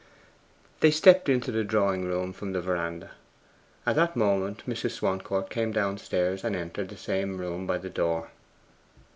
They stepped into the drawing room from the verandah. At that moment Mrs. Swancourt came downstairs, and entered the same room by the door.